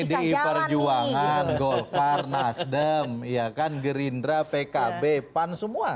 pdi perjuangan golkar nasdem gerindra pkb pan semua